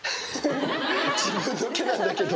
自分の毛なんだけど。